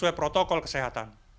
sesuai protokol kesehatan